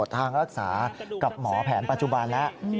ทางรักษากับหมอแผนปัจจุบันแล้ว